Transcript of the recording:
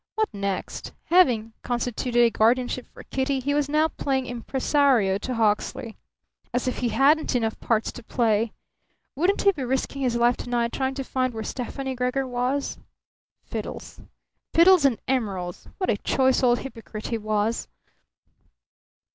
What next? Having constituted a guardianship over Kitty, he was now playing impressario to Hawksley. As if he hadn't enough parts to play! Wouldn't he be risking his life to night trying to find where Stefani Gregor was? Fiddles! Fiddles and emeralds! What a choice old hypocrite he was!